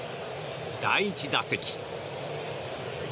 第１打席。